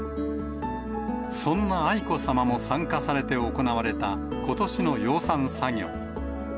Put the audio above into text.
そんな愛子さまも参加されて行われた、ことしの養蚕作業。